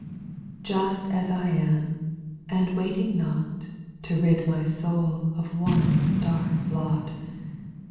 Just as I am, — and waiting not To rid my soul of one dark blot.